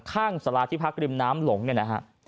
สาราที่พักริมน้ำหลงเนี่ยนะฮะ